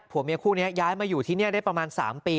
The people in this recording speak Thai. เมียคู่นี้ย้ายมาอยู่ที่นี่ได้ประมาณ๓ปี